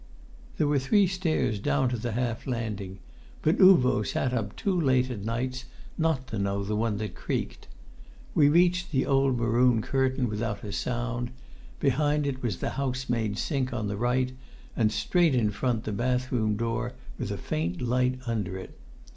There were three stairs down to the half landing, but Uvo sat up too late at nights not to know the one that creaked. We reached the old maroon curtain without a sound; behind it was the housemaid's sink on the right, and straight in front the bathroom door with a faint light under it.